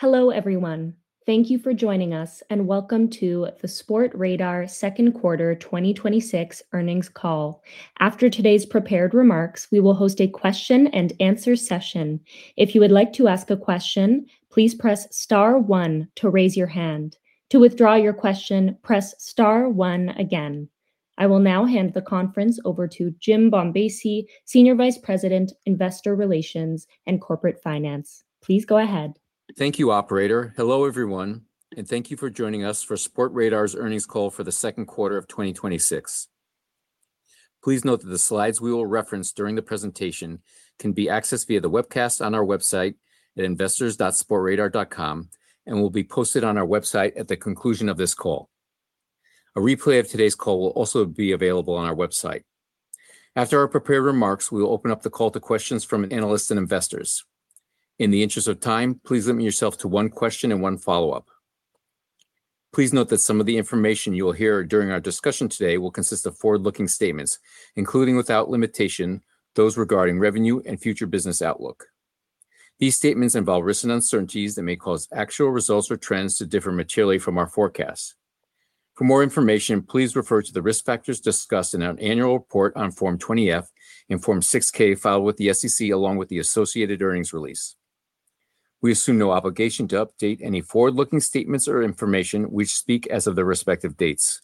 Hello, everyone. Thank you for joining us, and welcome to the Sportradar second quarter 2026 earnings call. After today's prepared remarks, we will host a question-and-answer session. If you would like to ask a question, please press star one to raise your hand. To withdraw your question, press star one again. I will now hand the conference over to Jim Bombassei, Senior Vice President, Investor Relations and Corporate Finance. Please go ahead. Thank you, operator. Hello, everyone, and thank you for joining us for Sportradar's earnings call for the second quarter of 2026. Please note that the slides we will reference during the presentation can be accessed via the webcast on our website at investors.sportradar.com, and will be posted on our website at the conclusion of this call. A replay of today's call will also be available on our website. After our prepared remarks, we will open up the call to questions from analysts and investors. In the interest of time, please limit yourself to one question and one follow-up. Please note that some of the information you will hear during our discussion today will consist of forward-looking statements, including, without limitation, those regarding revenue and future business outlook. These statements involve risks and uncertainties that may cause actual results or trends to differ materially from our forecasts. For more information, please refer to the risk factors discussed in our annual report on Form 20-F and Form 6-K filed with the SEC, along with the associated earnings release. We assume no obligation to update any forward-looking statements or information which speak as of the respective dates.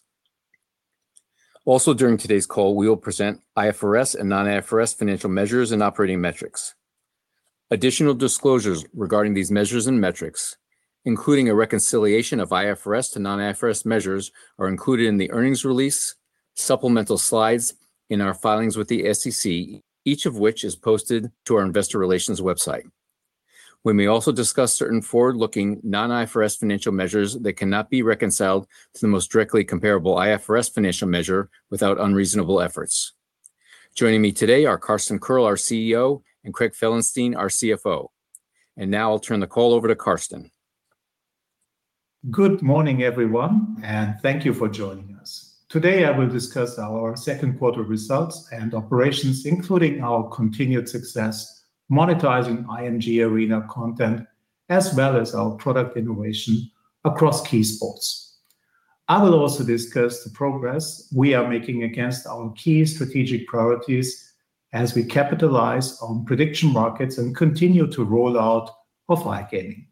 Also during today's call, we will present IFRS and non-IFRS financial measures and operating metrics. Additional disclosures regarding these measures and metrics, including a reconciliation of IFRS to non-IFRS measures, are included in the earnings release, supplemental slides in our filings with the SEC, each of which is posted to our investor relations website. We may also discuss certain forward-looking non-IFRS financial measures that cannot be reconciled to the most directly comparable IFRS financial measure without unreasonable efforts. Joining me today are Carsten Koerl, our CEO, and Craig Felenstein, our CFO. Now I'll turn the call over to Carsten. Good morning, everyone, and thank you for joining us. Today, I will discuss our second quarter results and operations, including our continued success monetizing IMG ARENA content, as well as our product innovation across key sports. I will also discuss the progress we are making against our key strategic priorities as we capitalize on prediction markets and continue to roll out of iGaming.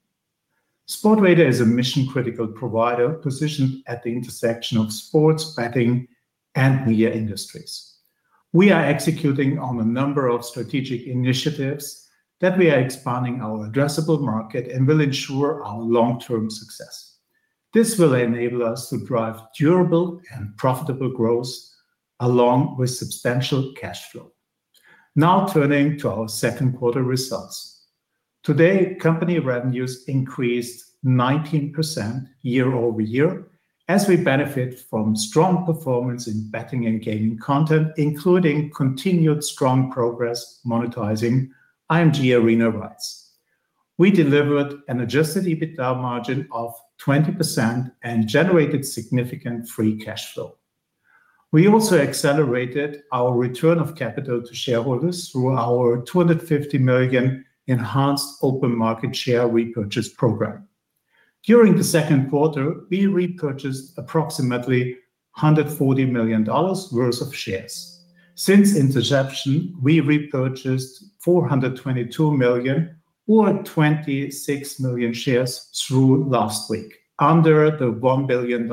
Sportradar is a mission-critical provider positioned at the intersection of sports betting and media industries. We are executing on a number of strategic initiatives that we are expanding our addressable market and will ensure our long-term success. This will enable us to drive durable and profitable growth along with substantial cash flow. Now turning to our second quarter results. Today, company revenues increased 19% year-over-year as we benefit from strong performance in betting and gaming content, including continued strong progress monetizing IMG ARENA rights. We delivered an adjusted EBITDA margin of 20% and generated significant free cash flow. We also accelerated our return of capital to shareholders through our 250 million enhanced open market share repurchase program. During the second quarter, we repurchased approximately $140 million worth of shares. Since inception, we repurchased 422 million or 26 million shares through last week under the $1 billion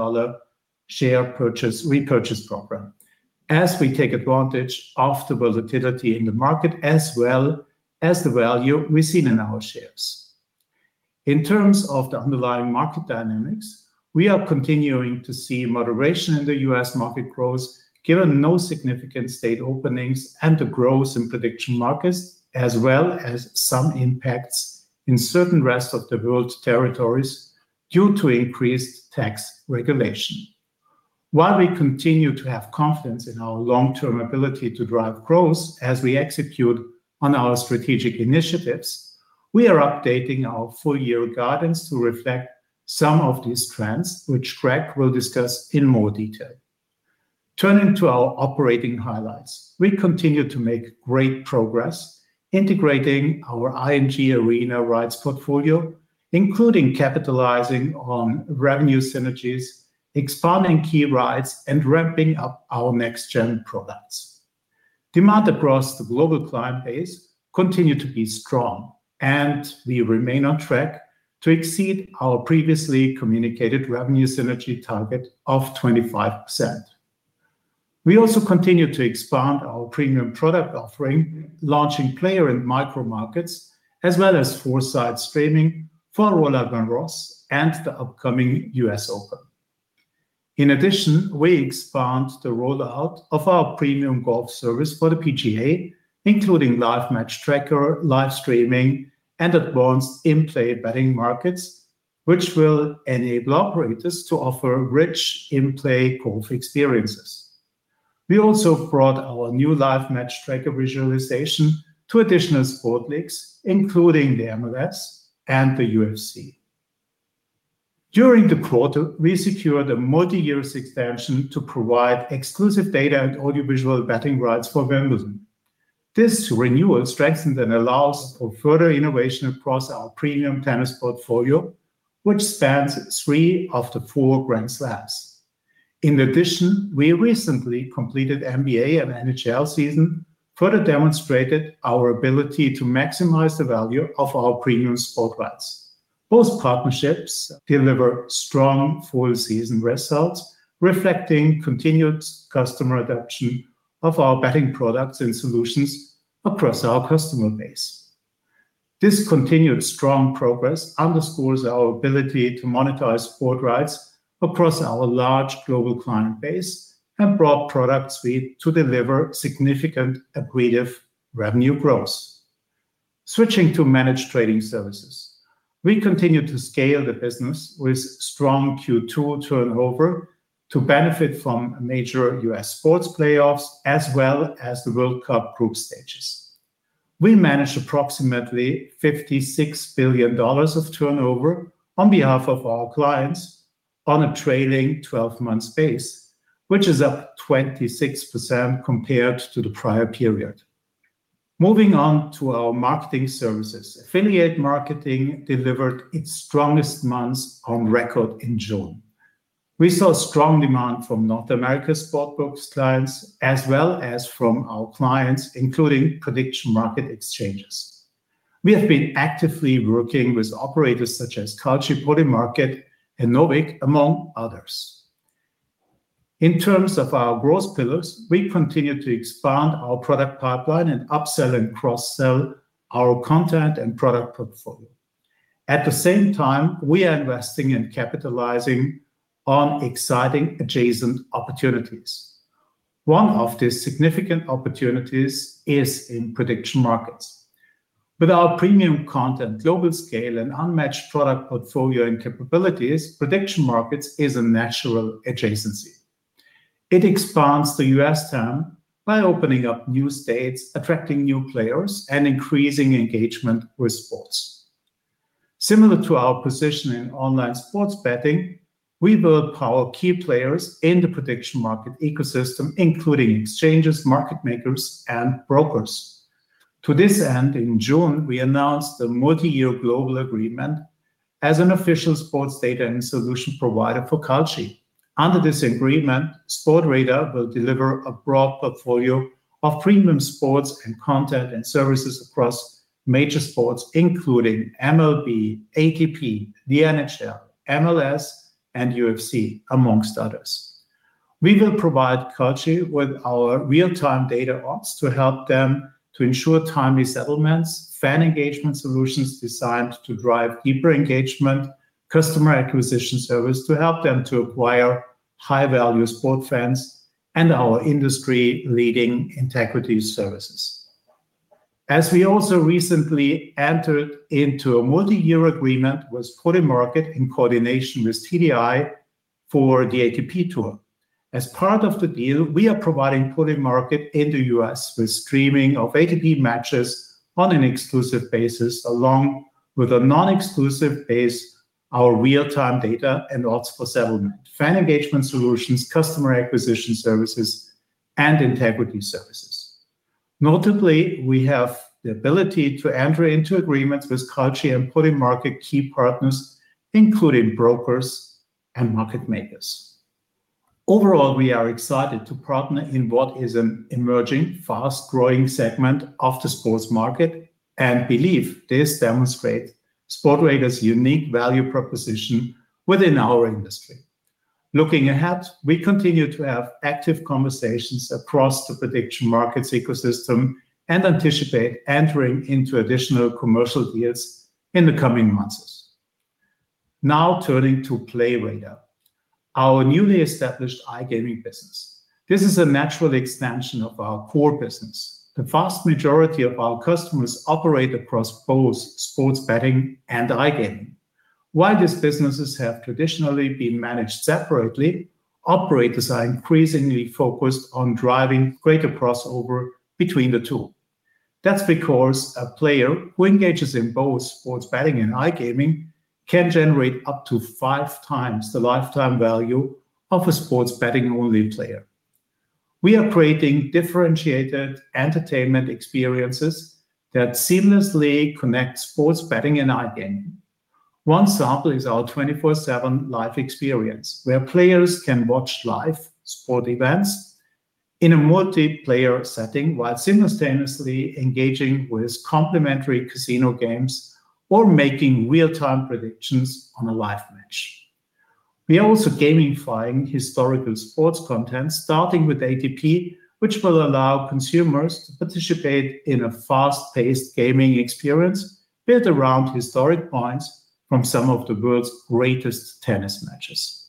share repurchase program as we take advantage of the volatility in the market as well as the value we've seen in our shares. In terms of the underlying market dynamics, we are continuing to see moderation in the U.S. market growth given no significant state openings and the growth in prediction markets, as well as some impacts in certain rest-of-the-world territories due to increased tax regulation. While we continue to have confidence in our long-term ability to drive growth as we execute on our strategic initiatives, we are updating our full-year guidance to reflect some of these trends, which Craig will discuss in more detail. Turning to our operating highlights. We continue to make great progress integrating our IMG ARENA rights portfolio, including capitalizing on revenue synergies, expanding key rights, and ramping up our next-gen products. Demand across the global client base continued to be strong, and we remain on track to exceed our previously communicated revenue synergy target of 25%. We also continue to expand our premium product offering, launching player and Micro Markets, as well as courtside streaming for Roland-Garros and the upcoming U.S. Open. In addition, we expand the rollout of our premium golf service for the PGA, including Live Match Tracker, live streaming, and advanced in-play betting markets, which will enable operators to offer rich in-play golf experiences. We also brought our new Live Match Tracker visualization to additional sport leagues, including the MLS and the UFC. During the quarter, we secured a multi-year extension to provide exclusive data and audiovisual betting rights for Wimbledon. This renewal strengthens and allows for further innovation across our premium tennis portfolio, which spans three of the four Grand Slams. In addition, we recently completed NBA and NHL season, further demonstrated our ability to maximize the value of our premium sport rights. Both partnerships deliver strong full-season results, reflecting continued customer adoption of our betting products and solutions across our customer base. This continued strong progress underscores our ability to monetize sport rights across our large global client base, and broad product suite to deliver significant accretive revenue growth. Switching to Managed Trading Services. We continue to scale the business with strong Q2 turnover to benefit from major U.S. sports playoffs as well as the World Cup group stages. We managed approximately $56 billion of turnover on behalf of our clients on a trailing 12-month base, which is up 26% compared to the prior period. Moving on to our marketing services. Affiliate marketing delivered its strongest months on record in June. We saw strong demand from North America sports books clients, as well as from our clients, including prediction market exchanges. We have been actively working with operators such as Kalshi, Polymarket, and Novig, among others. In terms of our growth pillars, we continue to expand our product pipeline and upsell and cross-sell our content and product portfolio. At the same time, we are investing in capitalizing on exciting adjacent opportunities. One of the significant opportunities is in prediction markets. With our premium content, global scale, and unmatched product portfolio and capabilities, prediction markets is a natural adjacency. It expands the U.S. TAM by opening up new states, attracting new players, and increasing engagement with sports. Similar to our position in online sports betting, we build power key players in the prediction market ecosystem, including exchanges, market makers, and brokers. To this end, in June, we announced a multi-year global agreement as an official sports data and solution provider for Kalshi. Under this agreement, Sportradar will deliver a broad portfolio of premium sports and content and services across major sports, including MLB, ATP, the NHL, MLS, and UFC, amongst others. We will provide Kalshi with our real-time DataOps to help them to ensure timely settlements, fan engagement solutions designed to drive deeper engagement, customer acquisition service to help them to acquire high-value sport fans, and our industry-leading integrity services. As we also recently entered into a multi-year agreement with Polymarket in coordination with TDI for the ATP tour. As part of the deal, we are providing Polymarket in the U.S. with streaming of ATP matches on an exclusive basis, along with a non-exclusive basis, our real-time data and odds for settlement, fan engagement solutions, customer acquisition services, and integrity services. Notably, we have the ability to enter into agreements with Kalshi and Polymarket key partners, including brokers and market makers. Overall, we are excited to partner in what is an emerging, fast-growing segment of the sports market and believe this demonstrates Sportradar's unique value proposition within our industry. Looking ahead, we continue to have active conversations across the prediction markets ecosystem and anticipate entering into additional commercial deals in the coming months. Now turning to Playradar, our newly established iGaming business. This is a natural extension of our core business. The vast majority of our customers operate across both sports betting and iGaming. While these businesses have traditionally been managed separately, operators are increasingly focused on driving greater crossover between the two. That's because a player who engages in both sports betting and iGaming can generate up to five times the lifetime value of a sports betting-only player. We are creating differentiated entertainment experiences that seamlessly connect sports betting and iGaming. One sample is our 24/7 live experience, where players can watch live sport events in a multiplayer setting while simultaneously engaging with complementary casino games or making real-time predictions on a live match. We are also gamifying historical sports content, starting with ATP, which will allow consumers to participate in a fast-paced gaming experience built around historic points from some of the world's greatest tennis matches.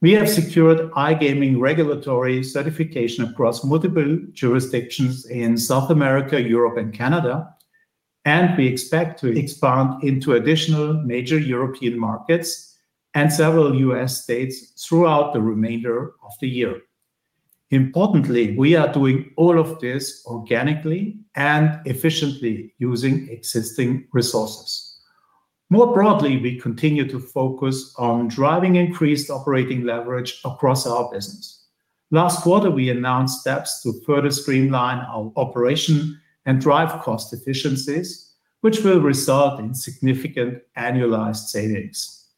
We have secured iGaming regulatory certification across multiple jurisdictions in South America, Europe, and Canada, and we expect to expand into additional major European markets and several U.S. states throughout the remainder of the year. Importantly, we are doing all of this organically and efficiently using existing resources. More broadly, we continue to focus on driving increased operating leverage across our business. Last quarter, we announced steps to further streamline our operation and drive cost efficiencies, which will result in significant annualized savings.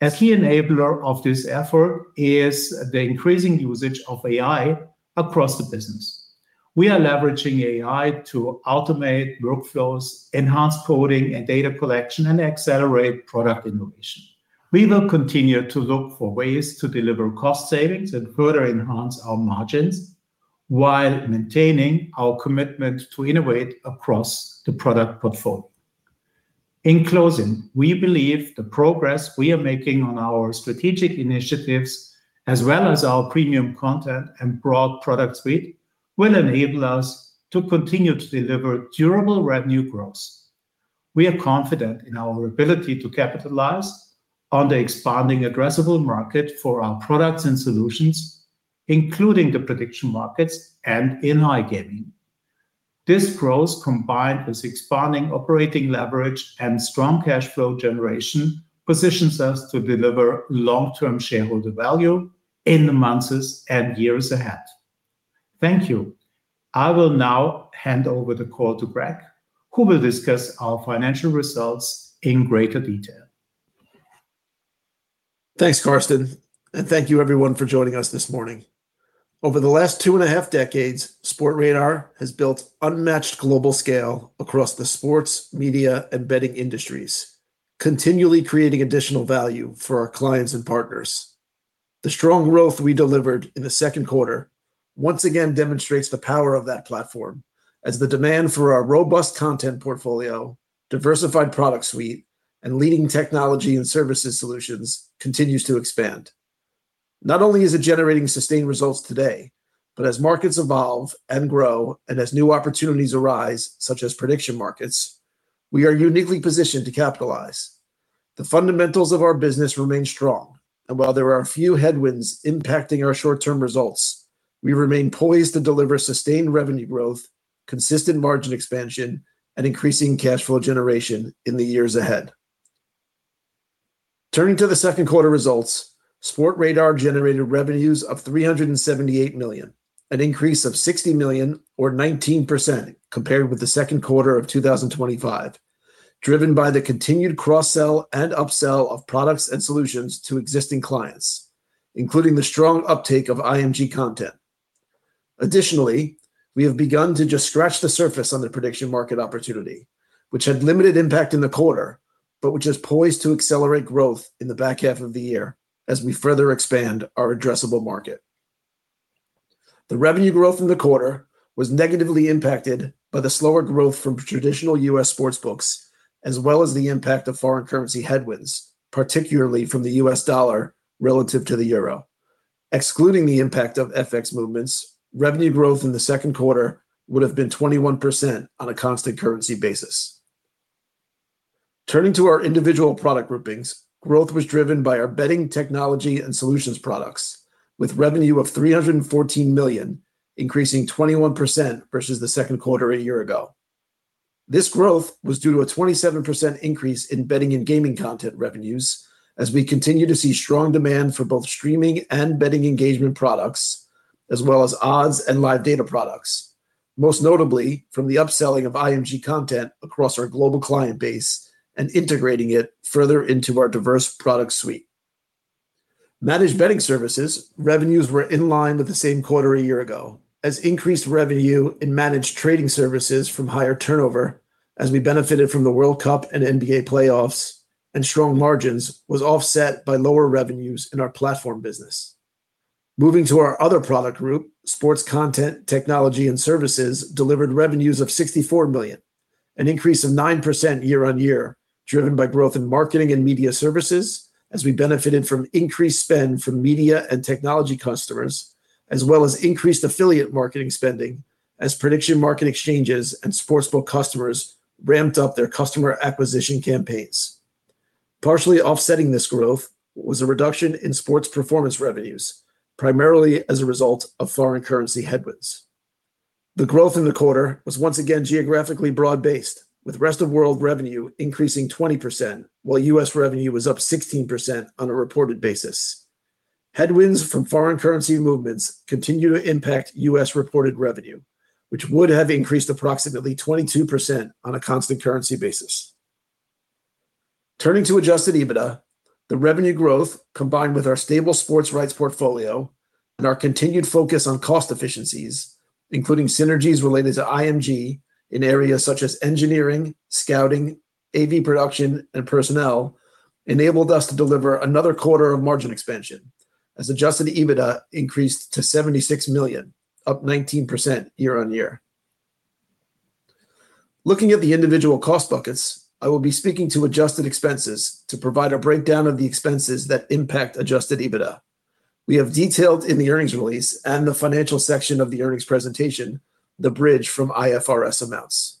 A key enabler of this effort is the increasing usage of AI across the business. We are leveraging AI to automate workflows, enhance coding and data collection, and accelerate product innovation. We will continue to look for ways to deliver cost savings and further enhance our margins while maintaining our commitment to innovate across the product portfolio. In closing, we believe the progress we are making on our strategic initiatives, as well as our premium content and broad product suite, will enable us to continue to deliver durable revenue growth. We are confident in our ability to capitalize on the expanding addressable market for our products and solutions, including the prediction markets and in-play gaming. This growth, combined with expanding operating leverage and strong cash flow generation, positions us to deliver long-term shareholder value in the months and years ahead. Thank you. I will now hand over the call to Craig, who will discuss our financial results in greater detail. Thanks, Carsten, and thank you everyone for joining us this morning. Over the last two and a half decades, Sportradar has built unmatched global scale across the sports, media, and betting industries, continually creating additional value for our clients and partners. The strong growth we delivered in the second quarter once again demonstrates the power of that platform as the demand for our robust content portfolio, diversified product suite, and leading technology and services solutions continues to expand. Not only is it generating sustained results today, but as markets evolve and grow, and as new opportunities arise, such as prediction markets, we are uniquely positioned to capitalize. The fundamentals of our business remain strong, and while there are a few headwinds impacting our short-term results, we remain poised to deliver sustained revenue growth, consistent margin expansion, and increasing cash flow generation in the years ahead. Turning to the second quarter results, Sportradar generated revenues of 378 million, an increase of 60 million or 19% compared with the second quarter of 2025, driven by the continued cross-sell and upsell of products and solutions to existing clients, including the strong uptake of IMG ARENA content. Additionally, we have begun to just scratch the surface on the prediction market opportunity, which had limited impact in the quarter, but which is poised to accelerate growth in the back half of the year as we further expand our addressable market. The revenue growth in the quarter was negatively impacted by the slower growth from traditional U.S. sportsbooks, as well as the impact of foreign currency headwinds, particularly from the U.S. dollar relative to the euro. Excluding the impact of FX movements, revenue growth in the second quarter would have been 21% on a constant currency basis. Turning to our individual product groupings, growth was driven by our betting technology and solutions products with revenue of 314 million, increasing 21% versus the second quarter a year ago. This growth was due to a 27% increase in betting and gaming content revenues as we continue to see strong demand for both streaming and betting engagement products, as well as odds and live data products, most notably from the upselling of IMG content across our global client base and integrating it further into our diverse product suite. Managed betting services revenues were in line with the same quarter a year ago, as increased revenue in Managed Trading Services from higher turnover as we benefited from the World Cup and NBA playoffs, and strong margins was offset by lower revenues in our platform business. Moving to our other product group, sports content technology and services delivered revenues of 64 million, an increase of 9% year-on-year, driven by growth in marketing and media services as we benefited from increased spend from media and technology customers, as well as increased affiliate marketing spending as prediction market exchanges and sportsbook customers ramped up their customer acquisition campaigns. Partially offsetting this growth was a reduction in sports performance revenues, primarily as a result of foreign currency headwinds. The growth in the quarter was once again geographically broad-based, with rest of world revenue increasing 20%, while U.S. revenue was up 16% on a reported basis. Headwinds from foreign currency movements continue to impact U.S. reported revenue, which would have increased approximately 22% on a constant currency basis. Turning to adjusted EBITDA, the revenue growth combined with our stable sports rights portfolio and our continued focus on cost efficiencies, including synergies related to IMG in areas such as engineering, scouting, AV production, and personnel, enabled us to deliver another quarter of margin expansion as adjusted EBITDA increased to 76 million, up 19% year-on-year. Looking at the individual cost buckets, I will be speaking to adjusted expenses to provide a breakdown of the expenses that impact adjusted EBITDA. We have detailed in the earnings release and the financial section of the earnings presentation the bridge from IFRS amounts.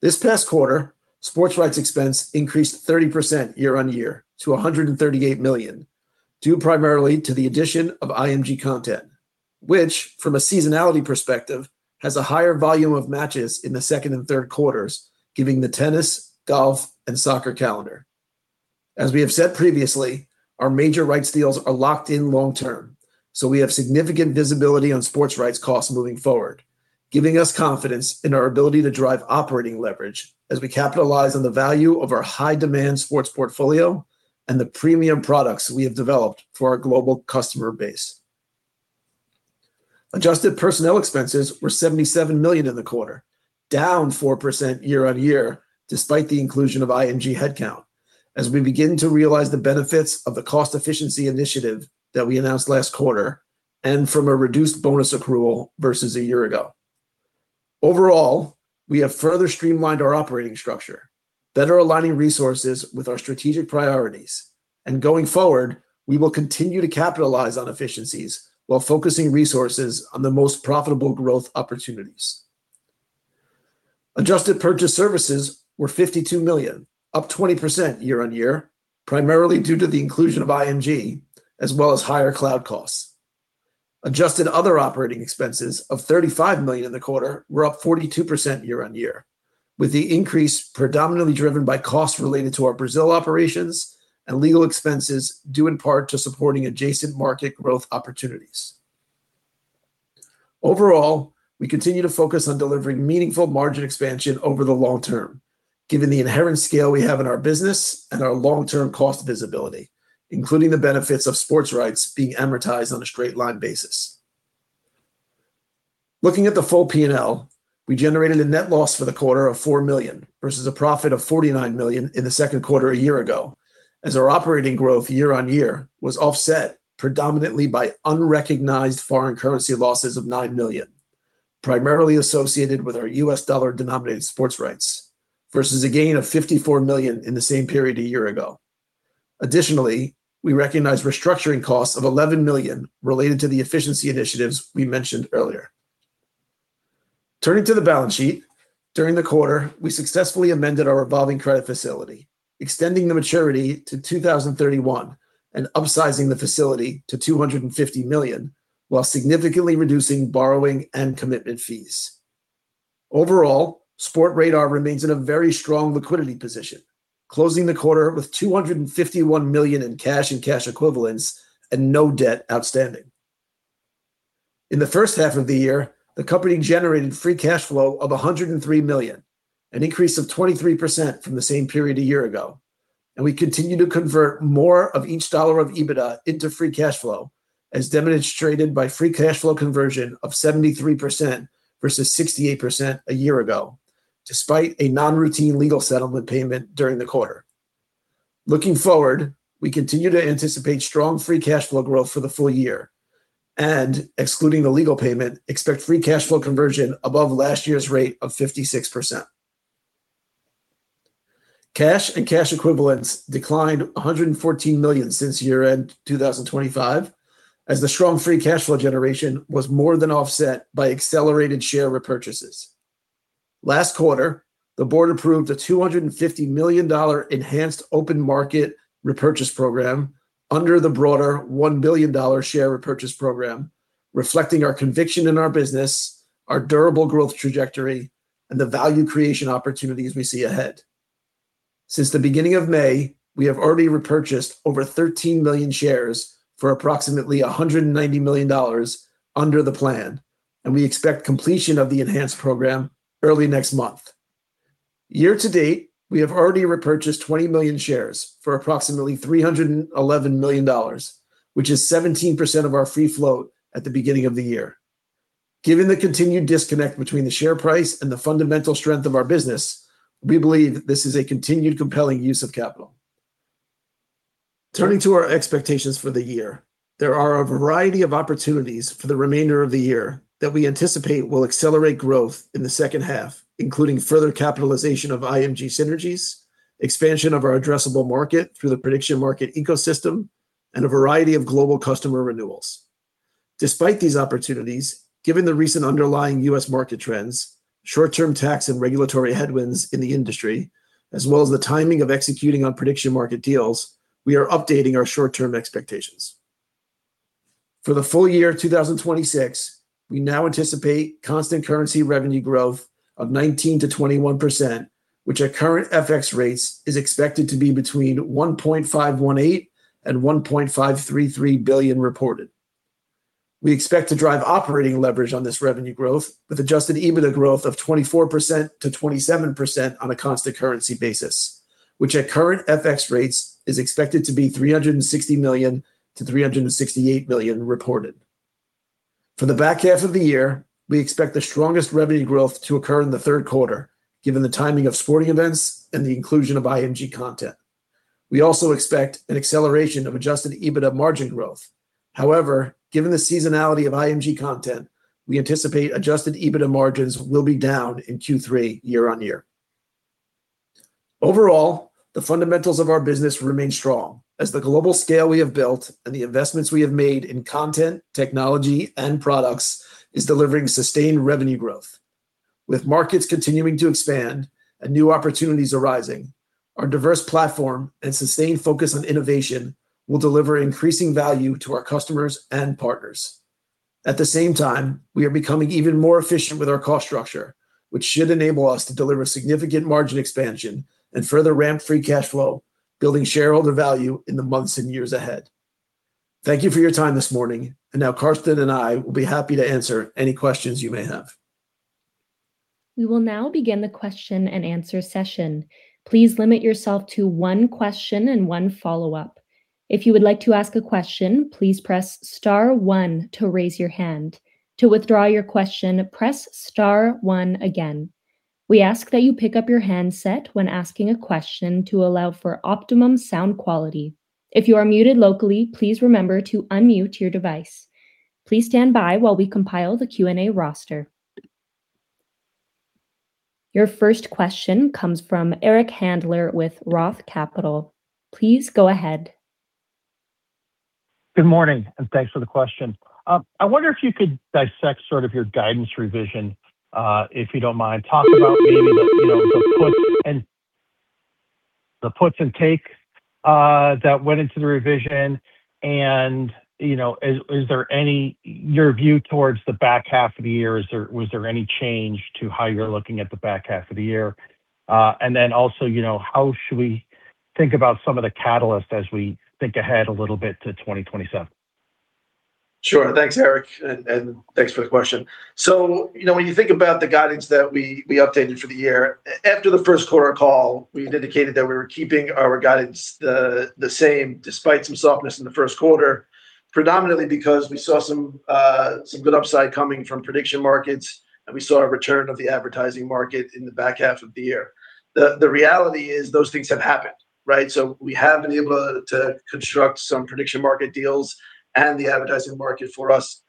This past quarter, sports rights expense increased 30% year-on-year to 138 million, due primarily to the addition of IMG content, which, from a seasonality perspective, has a higher volume of matches in the second and third quarters, giving the tennis, golf, and soccer calendar. As we have said previously, our major rights deals are locked in long-term, so we have significant visibility on sports rights costs moving forward, giving us confidence in our ability to drive operating leverage as we capitalize on the value of our high-demand sports portfolio and the premium products we have developed for our global customer base. Adjusted personnel expenses were 77 million in the quarter, down 4% year-on-year despite the inclusion of IMG headcount, as we begin to realize the benefits of the cost-efficiency initiative that we announced last quarter and from a reduced bonus accrual versus a year ago. Overall, we have further streamlined our operating structure, better aligning resources with our strategic priorities. Going forward, we will continue to capitalize on efficiencies while focusing resources on the most profitable growth opportunities. Adjusted purchase services were 52 million, up 20% year-on-year, primarily due to the inclusion of IMG, as well as higher cloud costs. Adjusted other operating expenses of 35 million in the quarter were up 42% year-on-year, with the increase predominantly driven by costs related to our Brazil operations and legal expenses due in part to supporting adjacent market growth opportunities. Overall, we continue to focus on delivering meaningful margin expansion over the long term, given the inherent scale we have in our business and our long-term cost visibility, including the benefits of sports rights being amortized on a straight-line basis. Looking at the full P&L, we generated a net loss for the quarter of 4 million versus a profit of 49 million in the second quarter a year ago as our operating growth year-on-year was offset predominantly by unrecognized foreign currency losses of 9 million, primarily associated with our U.S. dollar-denominated sports rights versus a gain of 54 million in the same period a year ago. Additionally, we recognized restructuring costs of 11 million related to the efficiency initiatives we mentioned earlier. Turning to the balance sheet, during the quarter, we successfully amended our revolving credit facility, extending the maturity to 2031 and upsizing the facility to 250 million while significantly reducing borrowing and commitment fees. Overall, Sportradar remains in a very strong liquidity position, closing the quarter with 251 million in cash and cash equivalents and no debt outstanding. In the first half of the year, the company generated free cash flow of 103 million, an increase of 23% from the same period a year ago. We continue to convert more of each dollar of EBITDA into free cash flow, as demonstrated by free cash flow conversion of 73% versus 68% a year ago, despite a non-routine legal settlement payment during the quarter. Looking forward, we continue to anticipate strong free cash flow growth for the full year and, excluding the legal payment, expect free cash flow conversion above last year's rate of 56%. Cash and cash equivalents declined 114 million since year-end 2025, as the strong free cash flow generation was more than offset by accelerated share repurchases. Last quarter, the board approved a $250 million enhanced open-market repurchase program under the broader $1 billion share repurchase program, reflecting our conviction in our business, our durable growth trajectory, and the value creation opportunities we see ahead. Since the beginning of May, we have already repurchased over 13 million shares for approximately $190 million under the plan, we expect completion of the enhanced program early next month. Year to date, we have already repurchased 20 million shares for approximately $311 million, which is 17% of our free float at the beginning of the year. Given the continued disconnect between the share price and the fundamental strength of our business, we believe this is a continued compelling use of capital. Turning to our expectations for the year, there are a variety of opportunities for the remainder of the year that we anticipate will accelerate growth in the second half, including further capitalization of IMG synergies, expansion of our addressable market through the prediction market ecosystem, and a variety of global customer renewals. Despite these opportunities, given the recent underlying U.S. market trends, short-term tax and regulatory headwinds in the industry, as well as the timing of executing on prediction market deals, we are updating our short-term expectations. For the full year 2026, we now anticipate constant currency revenue growth of 19%-21%, which at current FX rates is expected to be between 1.518 billion and 1.533 billion reported. We expect to drive operating leverage on this revenue growth with adjusted EBITDA growth of 24%-27% on a constant currency basis, which at current FX rates is expected to be 360 million-368 million reported. For the back half of the year, we expect the strongest revenue growth to occur in the third quarter, given the timing of sporting events and the inclusion of IMG content. We also expect an acceleration of adjusted EBITDA margin growth. However, given the seasonality of IMG content, we anticipate adjusted EBITDA margins will be down in Q3 year-on-year. Overall, the fundamentals of our business remain strong as the global scale we have built and the investments we have made in content, technology, and products is delivering sustained revenue growth. With markets continuing to expand and new opportunities arising, our diverse platform and sustained focus on innovation will deliver increasing value to our customers and partners. At the same time, we are becoming even more efficient with our cost structure, which should enable us to deliver significant margin expansion and further ramp free cash flow, building shareholder value in the months and years ahead. Thank you for your time this morning, now Carsten and I will be happy to answer any questions you may have. We will now begin the question-and-answer session. Please limit yourself to one question and one follow-up. If you would like to ask a question, please press star one to raise your hand. To withdraw your question, press star one again. We ask that you pick up your handset when asking a question to allow for optimum sound quality. If you are muted locally, please remember to unmute your device. Please stand by while we compile the Q&A roster. Your first question comes from Eric Handler with Roth Capital. Please go ahead. Good morning, and thanks for the question. I wonder if you could dissect sort of your guidance revision, if you don't mind. Talk about maybe the puts and takes that went into the revision and your view towards the back half of the year. Was there any change to how you're looking at the back half of the year? How should we think about some of the catalysts as we think ahead a little bit to 2027? Sure. Thanks, Eric, and thanks for the question. When you think about the guidance that we updated for the year, after the first quarter call, we indicated that we were keeping our guidance the same despite some softness in the first quarter, predominantly because we saw some good upside coming from prediction markets and we saw a return of the advertising market in the back half of the year. The reality is those things have happened, right? We have been able to construct some prediction market deals and the advertising market for us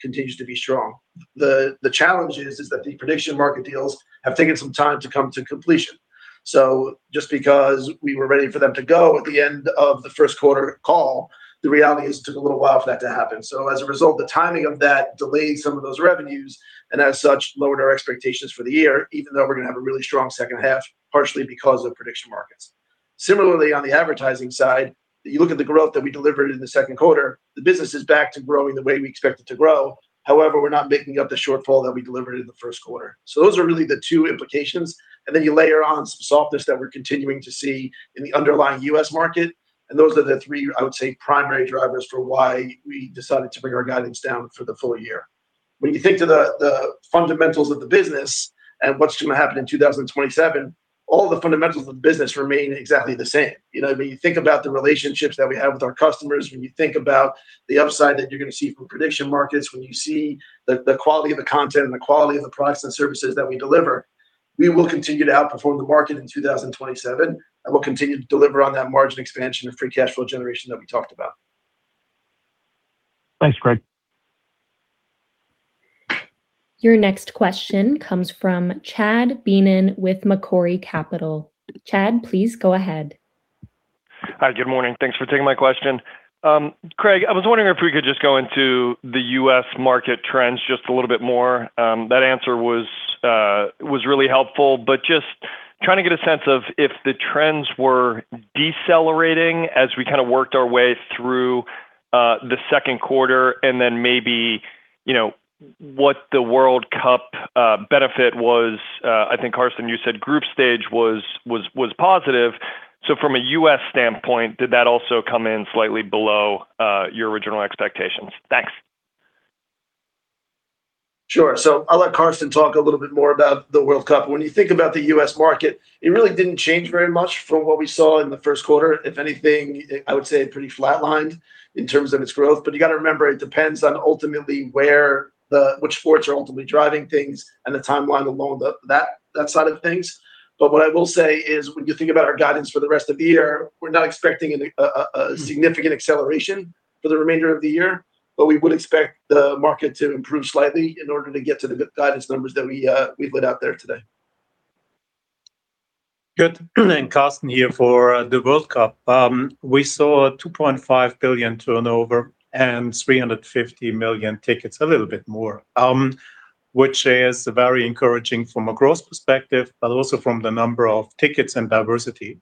continues to be strong. The challenge is that the prediction market deals have taken some time to come to completion. Just because we were ready for them to go at the end of the first quarter call, the reality is it took a little while for that to happen. As a result, the timing of that delayed some of those revenues, and as such, lowered our expectations for the year, even though we're going to have a really strong second half, partially because of prediction markets. Similarly, on the advertising side, you look at the growth that we delivered in the second quarter, the business is back to growing the way we expect it to grow. However, we're not making up the shortfall that we delivered in the first quarter. Those are really the two implications, and then you layer on some softness that we're continuing to see in the underlying U.S. market, and those are the three, I would say, primary drivers for why we decided to bring our guidance down for the full year. When you think to the fundamentals of the business and what's going to happen in 2027, all the fundamentals of the business remain exactly the same. When you think about the relationships that we have with our customers, when you think about the upside that you're going to see from prediction markets, when you see the quality of the content and the quality of the products and services that we deliver, we will continue to outperform the market in 2027, and we'll continue to deliver on that margin expansion and free cash flow generation that we talked about. Thanks, Craig. Your next question comes from Chad Beynon with Macquarie Capital. Chad, please go ahead. Hi. Good morning. Thanks for taking my question. Craig, I was wondering if we could just go into the U.S. market trends just a little bit more. That answer was really helpful, just trying to get a sense of if the trends were decelerating as we kind of worked our way through the second quarter, and then maybe what the World Cup benefit was. I think, Carsten, you said group stage was positive. From a U.S. standpoint, did that also come in slightly below your original expectations? Thanks. Sure. I'll let Carsten talk a little bit more about the World Cup. When you think about the U.S. market, it really didn't change very much from what we saw in the first quarter. If anything, I would say it pretty flat lined in terms of its growth, you got to remember, it depends on ultimately which sports are ultimately driving things and the timeline along that side of things. What I will say is when you think about our guidance for the rest of the year, we're not expecting a significant acceleration for the remainder of the year, we would expect the market to improve slightly in order to get to the guidance numbers that we've put out there today. Good. Carsten here for the World Cup. We saw 2.5 billion turnover and 350 million tickets, a little bit more, which is very encouraging from a growth perspective, but also from the number of tickets and diversity.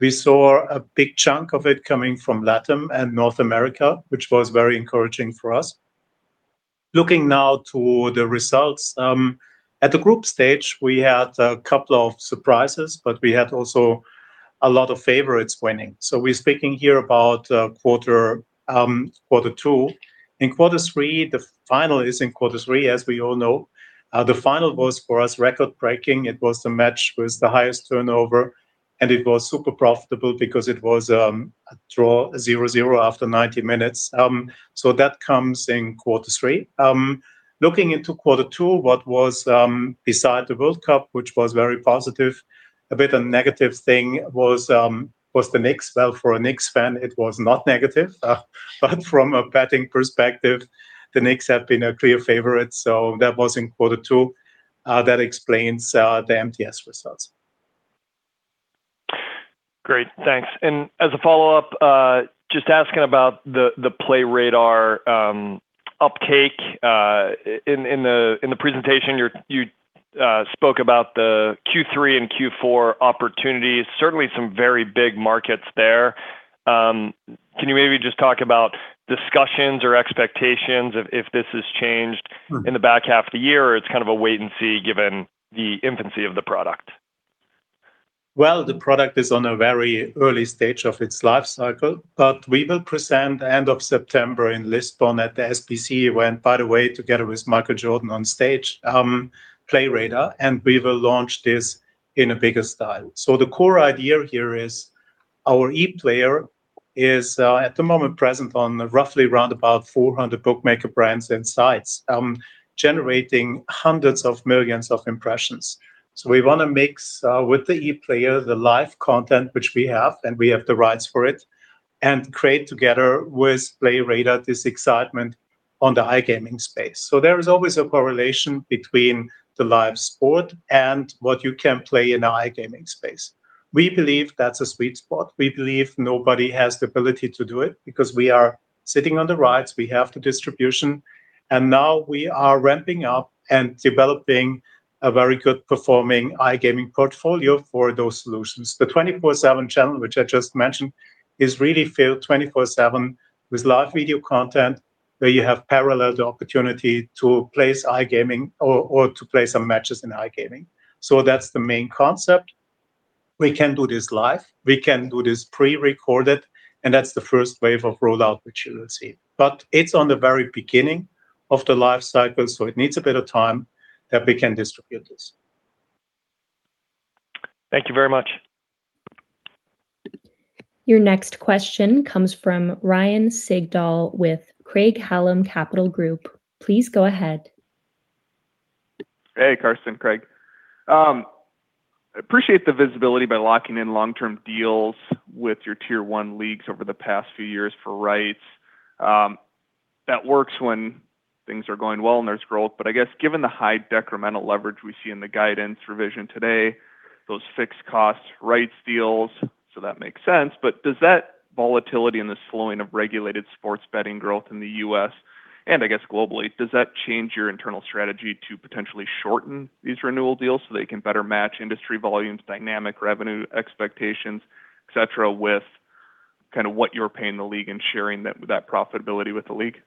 We saw a big chunk of it coming from LATAM and North America, which was very encouraging for us. Looking now to the results. At the group stage, we had a couple of surprises, but we had also a lot of favorites winning. We're speaking here about quarter two. In quarter three, the final is in quarter three as we all know. The final was, for us, record-breaking. It was the match with the highest turnover, and it was super profitable because it was a draw zero zero after 90 minutes. That comes in quarter three. Looking into quarter two, what was beside the World Cup, which was very positive, a bit of negative thing was the Knicks. Well, for a Knicks fan, it was not negative, but from a betting perspective, the Knicks have been a clear favorite. That was in quarter two. That explains the MTS results. Great, thanks. As a follow-up, just asking about the Playradar uptake. In the presentation, you spoke about the Q3 and Q4 opportunities, certainly some very big markets there. Can you maybe just talk about discussions or expectations if this has changed in the back half of the year, or it's kind of a wait and see given the infancy of the product? Well, the product is on a very early stage of its life cycle, but we will present end of September in Lisbon at the SBC event, by the way, together with Michael Jordan on stage, Playradar, and we will launch this in a bigger style. The core idea here is our e-player is, at the moment, present on roughly roundabout 400 bookmaker brands and sites, generating hundreds of millions of impressions. We want to mix with the e-player, the live content which we have, and we have the rights for it, and create together with Playradar this excitement on the iGaming space. There is always a correlation between the live sport and what you can play in the iGaming space. We believe that's a sweet spot. We believe nobody has the ability to do it because we are sitting on the rights, we have the distribution, and now we are ramping up and developing a very good performing iGaming portfolio for those solutions. The 24/7 channel, which I just mentioned, is really filled 24/7 with live video content, where you have parallel the opportunity to place iGaming or to play some matches in iGaming. That's the main concept. We can do this live, we can do this pre-recorded, and that's the first wave of rollout which you will see. It's on the very beginning of the life cycle, so it needs a bit of time that we can distribute this. Thank you very much. Your next question comes from Ryan Sigdahl with Craig-Hallum Capital Group. Please go ahead. Hey, Carsten, Craig. Appreciate the visibility by locking in long-term deals with your tier 1 leagues over the past few years for rights. That works when things are going well and there's growth. I guess given the high decremental leverage we see in the guidance revision today, those fixed costs, rights deals, so that makes sense, but does that volatility and the slowing of regulated sports betting growth in the U.S., and I guess globally, does that change your internal strategy to potentially shorten these renewal deals so they can better match industry volumes, dynamic revenue expectations, et cetera, with what you're paying the league and sharing that profitability with the league?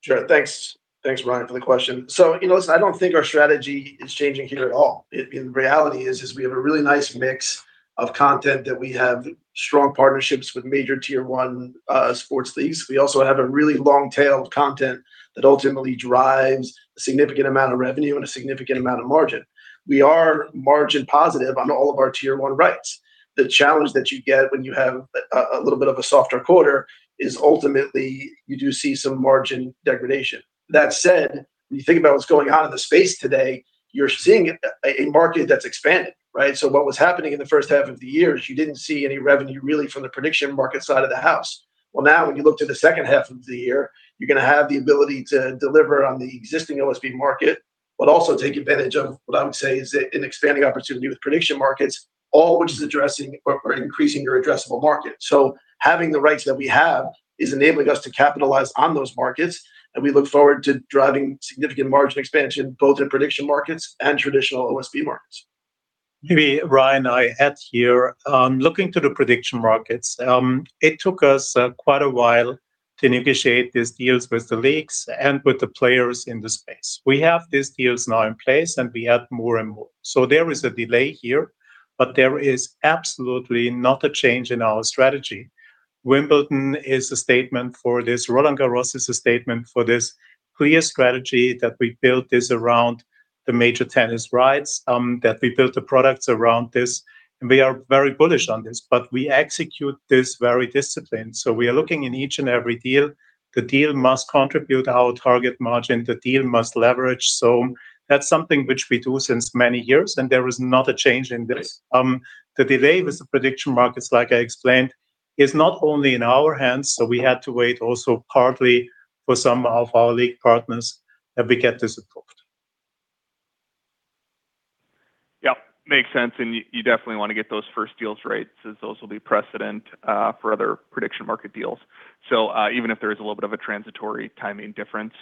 Sure. Thanks, Ryan, for the question. Listen, I don't think our strategy is changing here at all. In reality is we have a really nice mix of content that we have strong partnerships with major tier 1 sports leagues. We also have a really long tail of content that ultimately drives a significant amount of revenue and a significant amount of margin. We are margin positive on all of our tier 1 rights. The challenge that you get when you have a little bit of a softer quarter is ultimately you do see some margin degradation. That said, when you think about what's going on in the space today, you're seeing a market that's expanded, right? What was happening in the first half of the year is you didn't see any revenue really from the prediction market side of the house. Now when you look to the second half of the year, you're going to have the ability to deliver on the existing OSB market, but also take advantage of what I would say is an expanding opportunity with prediction markets, all which is addressing or increasing your addressable market. Having the rights that we have is enabling us to capitalize on those markets, and we look forward to driving significant margin expansion, both in prediction markets and traditional OSB markets. Maybe Ryan, I add here, looking to the prediction markets, it took us quite a while to negotiate these deals with the leagues and with the players in the space. We have these deals now in place, and we add more and more. There is a delay here, but there is absolutely not a change in our strategy. Wimbledon is a statement for this. Roland-Garros is a statement for this clear strategy that we built this around the major tennis rights, that we built the products around this, and we are very bullish on this. We execute this very disciplined. We are looking in each and every deal, the deal must contribute our target margin. The deal must leverage. That's something which we do since many years, and there is not a change in this. The delay with the prediction markets, like I explained, is not only in our hands, we had to wait also partly for some of our league partners, that we get this approved. Yep, makes sense. You definitely want to get those first deals right, since those will be precedent for other prediction market deals. Even if there is a little bit of a transitory timing difference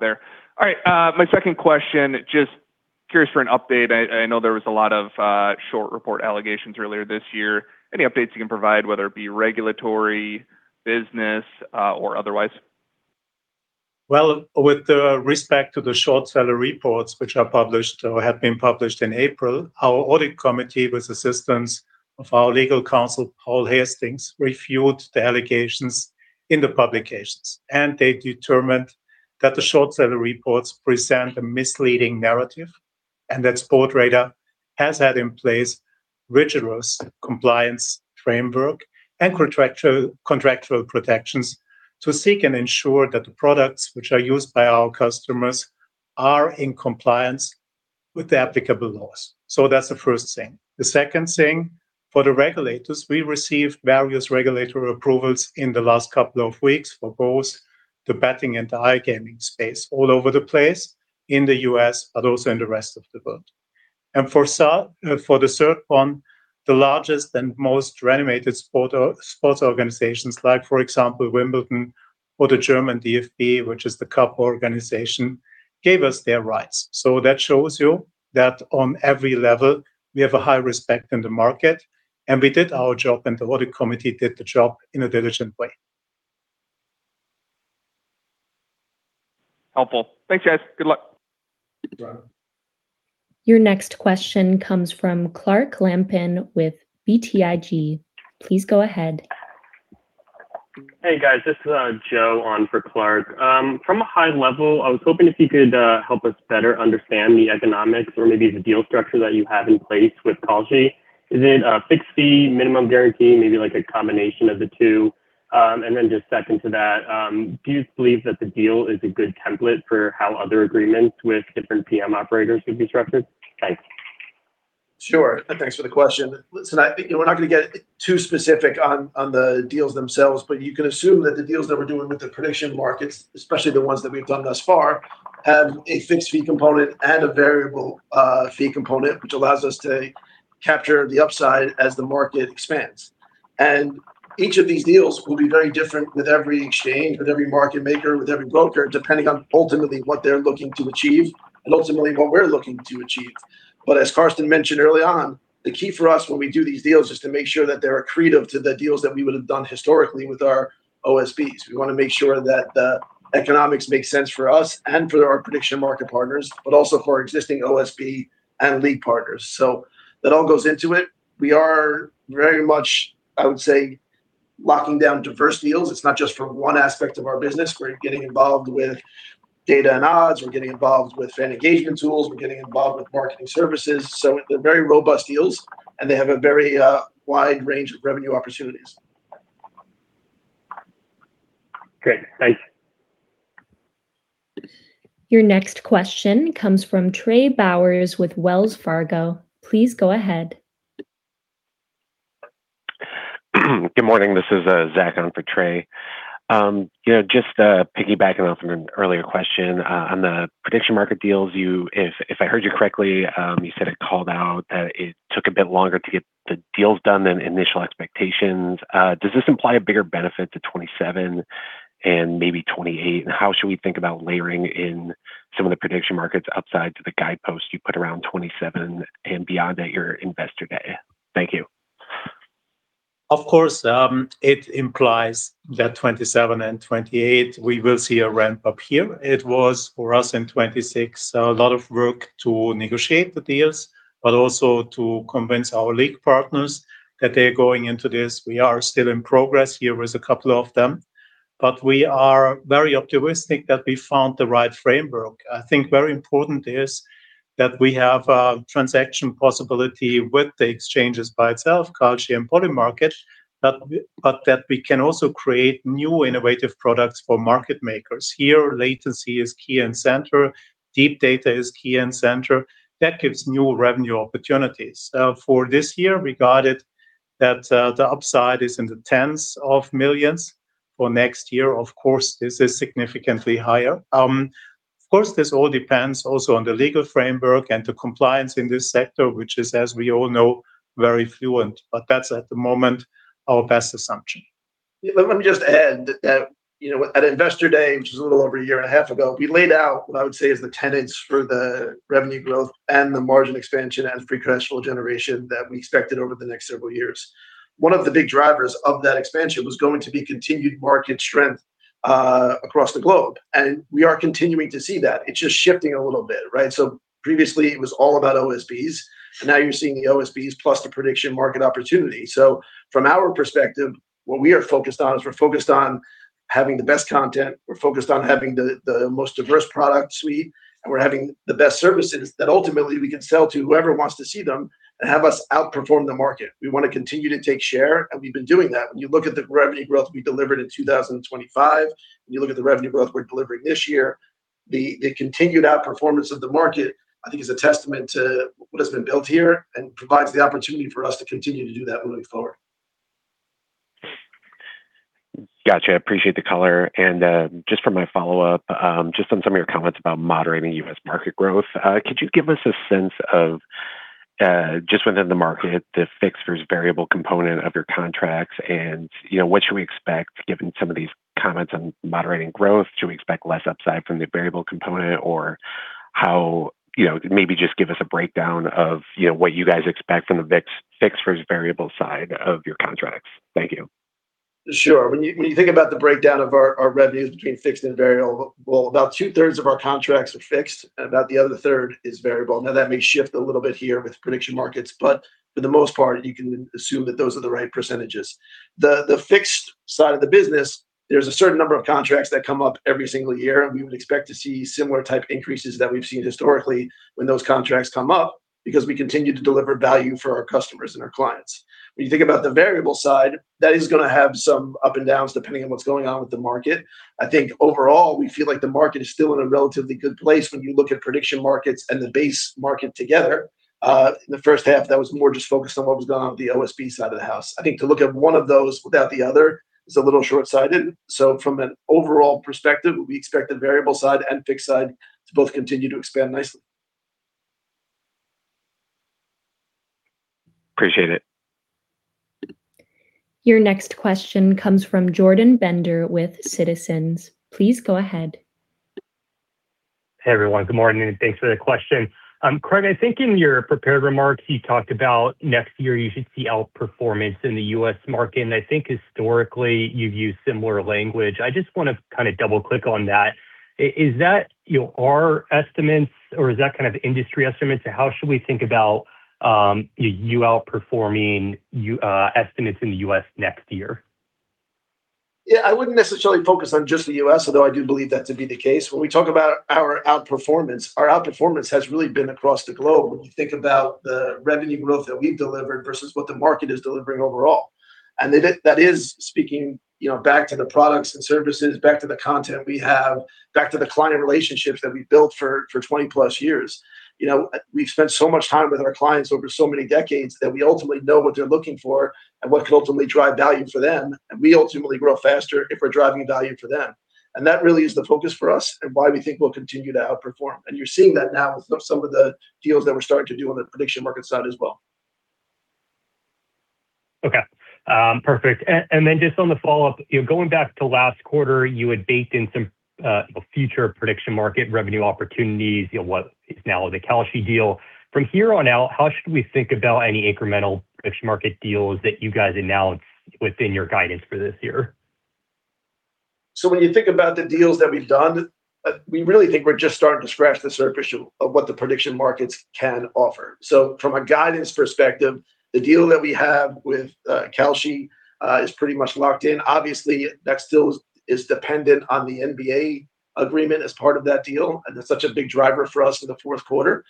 there. All right. My second question, just curious for an update. I know there was a lot of short report allegations earlier this year. Any updates you can provide, whether it be regulatory, business, or otherwise? Well, with the respect to the short seller reports, which are published or have been published in April, our audit committee, with assistance of our legal counsel, Paul Hastings, refuted the allegations in the publications. They determined that the short seller reports present a misleading narrative and that Sportradar has had in place rigorous compliance framework and contractual protections to seek and ensure that the products which are used by our customers are in compliance with the applicable laws. That's the first thing. The second thing, for the regulators, we received various regulatory approvals in the last couple of weeks for both the betting and the iGaming space all over the place. In the U.S., also in the rest of the world. For the third one, the largest and most renowned sports organizations like, for example, Wimbledon or the German DFB, which is the cup organization, gave us their rights. That shows you that on every level, we have a high respect in the market. We did our job and the audit committee did the job in a diligent way. Helpful. Thanks, guys. Good luck. You're welcome. Your next question comes from Clark Lampen with BTIG. Please go ahead. Hey, guys. This is Joe on for Clark. From a high level, I was hoping if you could help us better understand the economics or maybe the deal structure that you have in place with Kalshi. Is it a fixed fee, minimum guarantee, maybe a combination of the two? Just second to that, do you believe that the deal is a good template for how other agreements with different PM operators should be structured? Thanks. Sure. Thanks for the question. Listen, I think we're not going to get too specific on the deals themselves, you can assume that the deals that we're doing with the prediction markets, especially the ones that we've done thus far, have a fixed fee component and a variable fee component, which allows us to capture the upside as the market expands. Each of these deals will be very different with every exchange, with every market maker, with every broker, depending on ultimately what they're looking to achieve and ultimately what we're looking to achieve. As Carsten mentioned early on, the key for us when we do these deals is to make sure that they're accretive to the deals that we would have done historically with our OSBs. We want to make sure that the economics make sense for us and for our prediction market partners, but also for existing OSB and league partners. That all goes into it. We are very much, I would say, locking down diverse deals. It's not just for one aspect of our business. We're getting involved with data and odds. We're getting involved with fan engagement tools. We're getting involved with marketing services. So they're very robust deals, and they have a very wide range of revenue opportunities. Great. Thanks. Your next question comes from Trey Bowers with Wells Fargo. Please go ahead. Good morning. This is Zach on for Trey. Just piggybacking off an earlier question on the prediction market deals, if I heard you correctly, you said it called out that it took a bit longer to get the deals done than initial expectations. Does this imply a bigger benefit to 2027 and maybe 2028? How should we think about layering in some of the prediction markets upside to the guidepost you put around 2027 and beyond at your Investor Day? Thank you. Of course, it implies that 2027 and 2028, we will see a ramp up here. It was, for us in 2026, a lot of work to negotiate the deals, but also to convince our league partners that they're going into this. We are still in progress here with a couple of them. We are very optimistic that we found the right framework. I think very important is that we have a transaction possibility with the exchanges by itself, Kalshi and Polymarket, but that we can also create new innovative products for market makers. Here, latency is key and center, deep data is key and center. That gives new revenue opportunities. For this year, regard it that the upside is in the tens of millions. For next year, of course, this is significantly higher. Of course, this all depends also on the legal framework and the compliance in this sector, which is, as we all know, very fluent. That's, at the moment, our best assumption. Let me just add that at Investor Day, which was a little over a year and a half ago, we laid out what I would say is the tenets for the revenue growth and the margin expansion and free cash flow generation that we expected over the next several years. One of the big drivers of that expansion was going to be continued market strength across the globe, and we are continuing to see that. It's just shifting a little bit. Previously, it was all about OSBs, and now you're seeing the OSBs plus the prediction market opportunity. From our perspective, what we are focused on is we're focused on having the best content, we're focused on having the most diverse product suite, and we're having the best services that ultimately we can sell to whoever wants to see them and have us outperform the market. We want to continue to take share, and we've been doing that. When you look at the revenue growth we delivered in 2025, when you look at the revenue growth we're delivering this year, the continued outperformance of the market, I think, is a testament to what has been built here and provides the opportunity for us to continue to do that moving forward. Got you. I appreciate the color. Just for my follow-up, just on some of your comments about moderating U.S. market growth, could you give us a sense of, just within the market, the fixed versus variable component of your contracts and what should we expect given some of these comments on moderating growth? Should we expect less upside from the variable component? Maybe just give us a breakdown of what you guys expect from the fixed versus variable side of your contracts. Thank you. Sure. When you think about the breakdown of our revenues between fixed and variable, well, about two-thirds of our contracts are fixed and about the other third is variable. Now, that may shift a little bit here with prediction markets, but for the most part, you can assume that those are the right percentages. The fixed side of the business, there's a certain number of contracts that come up every single year, and we would expect to see similar type increases that we've seen historically when those contracts come up because we continue to deliver value for our customers and our clients. When you think about the variable side, that is going to have some up and downs depending on what's going on with the market. Overall, we feel like the market is still in a relatively good place when you look at prediction markets and the base market together. In the first half, that was more just focused on what was going on with the OSB side of the house. To look at one of those without the other is a little short-sighted. From an overall perspective, we expect the variable side and fixed side to both continue to expand nicely. Appreciate it. Your next question comes from Jordan Bender with Citizens. Please go ahead. Hey, everyone. Good morning, and thanks for the question. Craig, I think in your prepared remarks, you talked about next year you should see outperformance in the U.S. market. I think historically you've used similar language. I just want to double-click on that. Is that our estimates or is that kind of industry estimates? How should we think about you outperforming estimates in the U.S. next year? Yeah, I wouldn't necessarily focus on just the U.S., although I do believe that to be the case. When we talk about our outperformance, our outperformance has really been across the globe when you think about the revenue growth that we've delivered versus what the market is delivering overall. That is speaking back to the products and services, back to the content we have, back to the client relationships that we've built for 20+ years. We've spent so much time with our clients over so many decades that we ultimately know what they're looking for and what could ultimately drive value for them. We ultimately grow faster if we're driving value for them. That really is the focus for us and why we think we'll continue to outperform. You're seeing that now with some of the deals that we're starting to do on the prediction market side as well. Okay. Perfect. Just on the follow-up, going back to last quarter, you had baked in some future prediction market revenue opportunities, what is now the Kalshi deal. From here on out, how should we think about any incremental prediction market deals that you guys announce within your guidance for this year? When you think about the deals that we've done, we really think we're just starting to scratch the surface of what the prediction markets can offer. From a guidance perspective, the deal that we have with Kalshi is pretty much locked in. Obviously, that still is dependent on the NBA agreement as part of that deal, and it's such a big driver for us in the fourth quarter.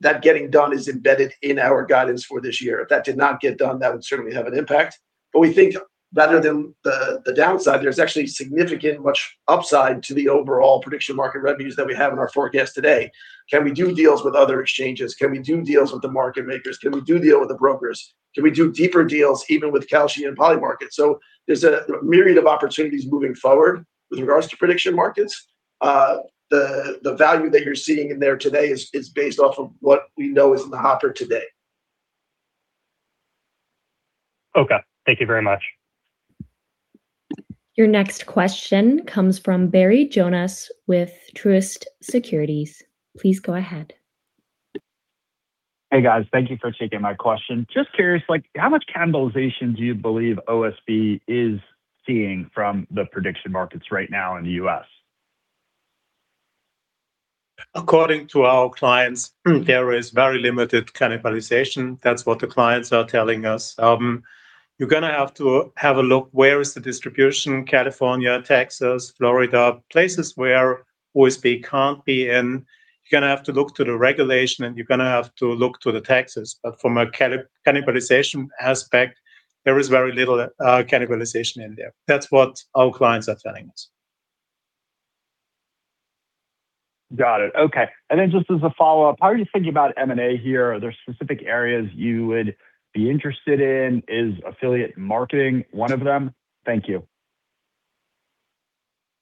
That getting done is embedded in our guidance for this year. If that did not get done, that would certainly have an impact. We think rather than the downside, there's actually significant much upside to the overall prediction market revenues that we have in our forecast today. Can we do deals with other exchanges? Can we do deals with the market makers? Can we do deal with the brokers? Can we do deeper deals even with Kalshi and Polymarket? There's a myriad of opportunities moving forward with regards to prediction markets. The value that you're seeing in there today is based off of what we know is in the hopper today. Okay. Thank you very much. Your next question comes from Barry Jonas with Truist Securities. Please go ahead. Hey, guys. Thank you for taking my question. Just curious, how much cannibalization do you believe OSB is seeing from the prediction markets right now in the U.S.? According to our clients, there is very limited cannibalization. That's what the clients are telling us. You're going to have to have a look where is the distribution, California, Texas, Florida, places where OSB can't be in. You're going to have to look to the regulation and you're going to have to look to the taxes. From a cannibalization aspect, there is very little cannibalization in there. That's what our clients are telling us. Got it. Okay. Then just as a follow-up, how are you thinking about M&A here? Are there specific areas you would be interested in? Is affiliate marketing one of them? Thank you.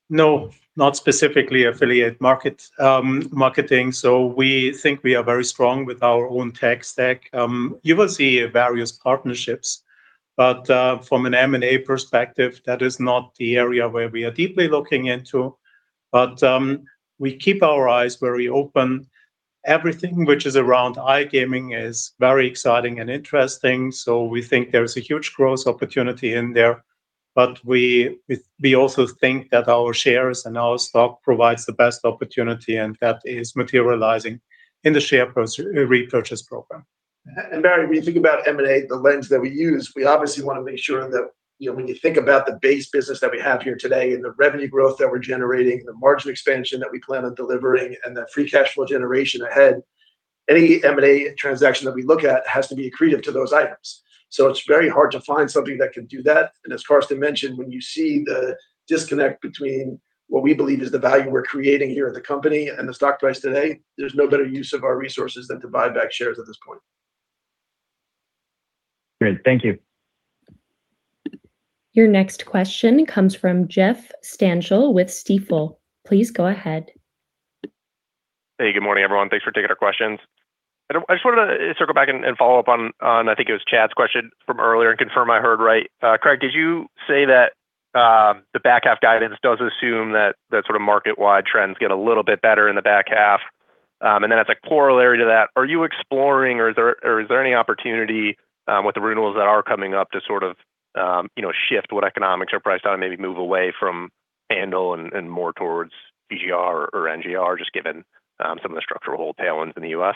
No, not specifically affiliate marketing. We think we are very strong with our own tech stack. You will see various partnerships, from an M&A perspective, that is not the area where we are deeply looking into. We keep our eyes very open. Everything which is around iGaming is very exciting and interesting. We think there is a huge growth opportunity in there. We also think that our shares and our stock provides the best opportunity, and that is materializing in the share repurchase program. Barry, when you think about M&A, the lens that we use, we obviously want to make sure that when you think about the base business that we have here today and the revenue growth that we're generating and the margin expansion that we plan on delivering and the free cash flow generation ahead, any M&A transaction that we look at has to be accretive to those items. It's very hard to find something that can do that. As Carsten mentioned, when you see the disconnect between what we believe is the value we're creating here at the company and the stock price today, there's no better use of our resources than to buy back shares at this point. Great. Thank you. Your next question comes from Jeff Stantial with Stifel. Please go ahead. Hey, good morning, everyone. Thanks for taking our questions. I just wanted to circle back and follow up on, I think it was Chad's question from earlier and confirm I heard right. Craig, did you say that the back half guidance does assume that sort of market-wide trends get a little bit better in the back half? As a corollary to that, are you exploring or is there any opportunity with the renewals that are coming up to sort of shift what economics are priced on and maybe move away from handle and more towards EGR or NGR just given some of the structural tailwinds in the U.S.?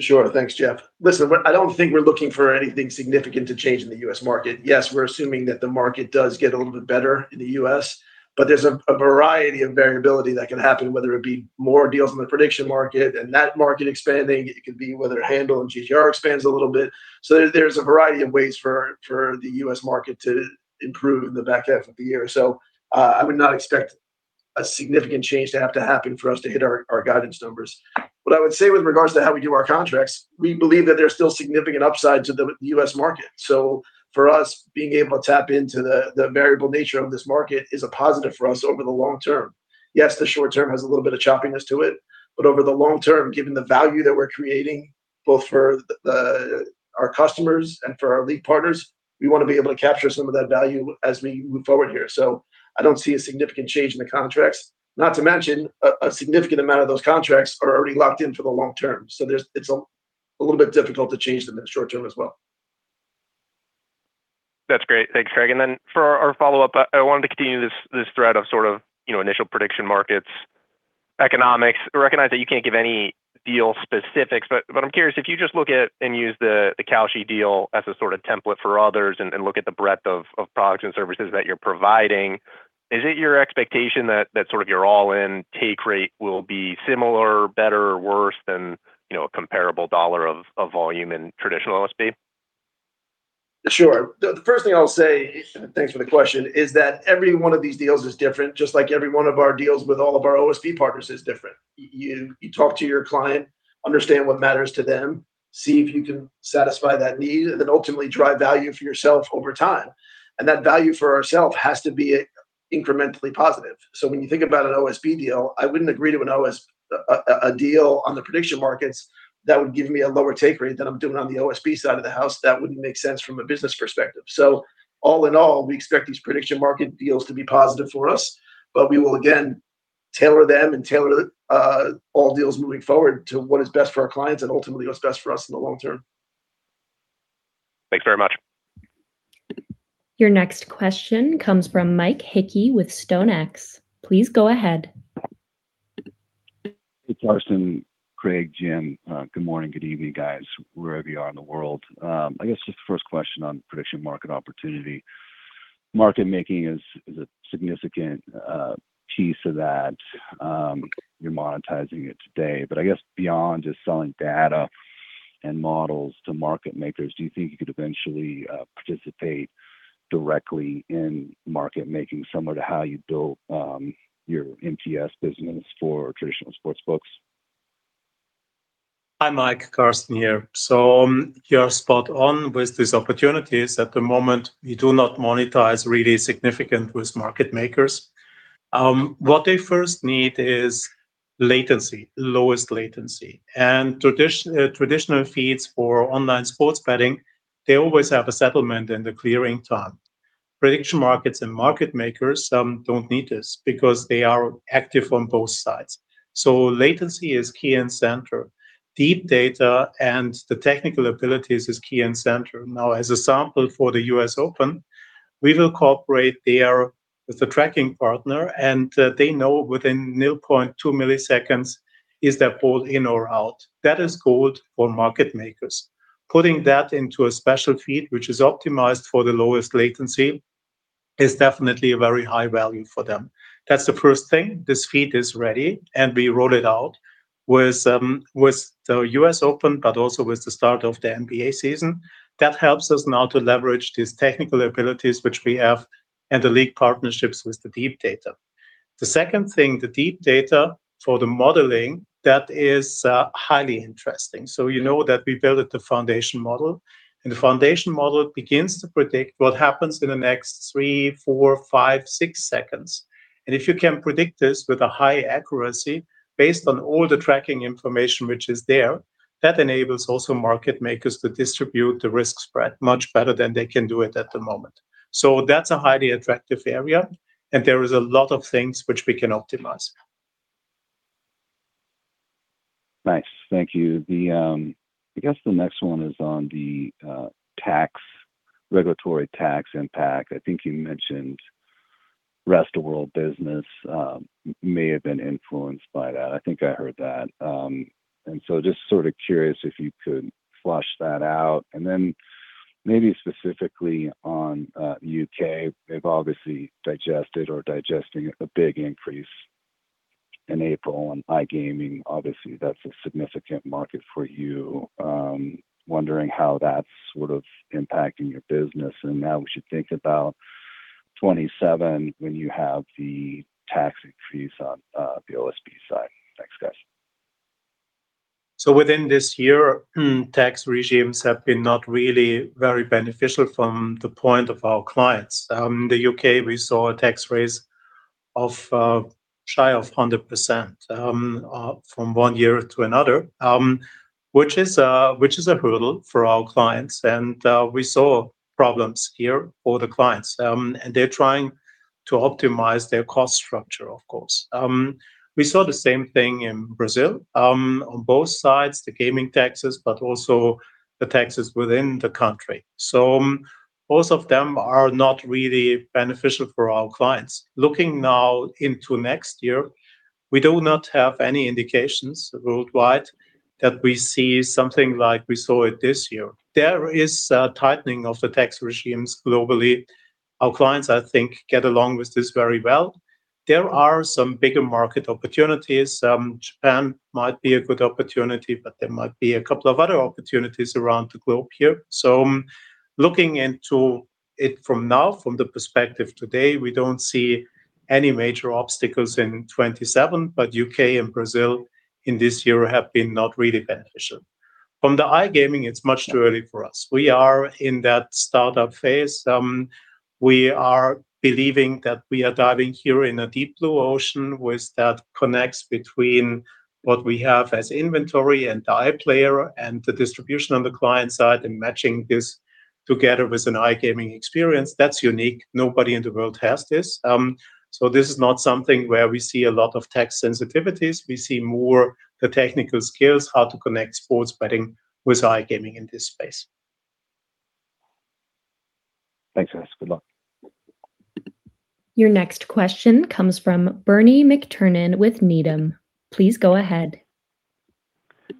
Sure. Thanks, Jeff. Listen, I don't think we're looking for anything significant to change in the U.S. market. Yes, we're assuming that the market does get a little bit better in the U.S., there's a variety of variability that can happen, whether it be more deals in the prediction market and that market expanding. It could be whether handle and EGR expands a little bit. There's a variety of ways for the U.S. market to improve in the back half of the year. I would not expect a significant change to have to happen for us to hit our guidance numbers. What I would say with regards to how we do our contracts, we believe that there's still significant upside to the U.S. market. For us, being able to tap into the variable nature of this market is a positive for us over the long term. Yes, the short term has a little bit of choppiness to it, over the long term, given the value that we're creating Both for our customers and for our league partners, we want to be able to capture some of that value as we move forward here. I don't see a significant change in the contracts. Not to mention, a significant amount of those contracts are already locked in for the long term. It's a little bit difficult to change them in the short term as well. That's great. Thanks, Craig. For our follow-up, I wanted to continue this thread of initial prediction markets economics. I recognize that you can't give any deal specifics, I'm curious if you just look at and use the Kalshi deal as a sort of template for others and look at the breadth of products and services that you're providing, is it your expectation that your all-in take rate will be similar, better, or worse than a comparable dollar of volume in traditional OSB? Sure. The first thing I'll say, thanks for the question, is that every one of these deals is different, just like every one of our deals with all of our OSB partners is different. You talk to your client, understand what matters to them, see if you can satisfy that need, and then ultimately drive value for yourself over time. That value for ourself has to be incrementally positive. When you think about an OSB deal, I wouldn't agree to a deal on the prediction markets that would give me a lower take rate than I'm doing on the OSB side of the house. That wouldn't make sense from a business perspective. All in all, we expect these prediction market deals to be positive for us. We will, again, tailor them and tailor all deals moving forward to what is best for our clients and ultimately what's best for us in the long term. Thanks very much. Your next question comes from Mike Hickey with StoneX. Please go ahead. Hey, Carsten, Craig, Jim. Good morning, good evening, guys, wherever you are in the world. I guess just the first question on prediction market opportunity. Market making is a significant piece of that. You are monetizing it today, but I guess beyond just selling data and models to market makers, do you think you could eventually participate directly in market making similar to how you built your MTS business for traditional sportsbooks? Hi, Mike. Carsten here. You are spot on with these opportunities. At the moment, we do not monetize really significant with market makers. What they first need is latency, lowest latency. Traditional feeds for online sports betting, they always have a settlement and a clearing time. Prediction markets and market makers do not need this because they are active on both sides. Latency is key and center. Deep data and the technical abilities is key and center. As a sample for the U.S. Open, we will cooperate there with the tracking partner, and they know within 0.2 milliseconds is that ball in or out. That is gold for market makers. Putting that into a special feed, which is optimized for the lowest latency, is definitely a very high value for them. That is the first thing. This feed is ready, and we roll it out with the U.S. Open, but also with the start of the NBA season. That helps us now to leverage these technical abilities which we have and the league partnerships with the deep data. The second thing, the deep data for the modeling, that is highly interesting. You know that we built the foundation model, and the foundation model begins to predict what happens in the next three, four, five, six seconds. If you can predict this with a high accuracy, based on all the tracking information which is there, that enables also market makers to distribute the risk spread much better than they can do it at the moment. That is a highly attractive area, and there is a lot of things which we can optimize. Nice. Thank you. I guess the next one is on the regulatory tax impact. I think you mentioned rest of world business may have been influenced by that. I think I heard that. Just sort of curious if you could flesh that out, and then maybe specifically on U.K., they have obviously digested or are digesting a big increase in April on iGaming. Obviously, that is a significant market for you. Wondering how that is sort of impacting your business and how we should think about 2027 when you have the tax increase on the OSB side. Thanks, guys. Within this year, tax regimes have been not really very beneficial from the point of our clients. The U.K., we saw a tax raise shy of 100% from one year to another, which is a hurdle for our clients. We saw problems here for the clients. They're trying to optimize their cost structure, of course. We saw the same thing in Brazil, on both sides, the gaming taxes, but also the taxes within the country. Both of them are not really beneficial for our clients. Looking now into next year, we do not have any indications worldwide that we see something like we saw it this year. There is a tightening of the tax regimes globally. Our clients, I think, get along with this very well. There are some bigger market opportunities. Japan might be a good opportunity, there might be a couple of other opportunities around the globe here. Looking into it from now, from the perspective today, we don't see any major obstacles in 2027, U.K. and Brazil in this year have been not really beneficial. From iGaming, it's much too early for us. We are in that startup phase. We are believing that we are diving here in a deep blue ocean with that connects between what we have as inventory and the e-player and the distribution on the client side and matching this together with an iGaming experience. That's unique. Nobody in the world has this. This is not something where we see a lot of tech sensitivities. We see more the technical skills, how to connect sports betting with iGaming in this space. Thanks, Carsten. Good luck. Your next question comes from Bernie McTernan with Needham. Please go ahead.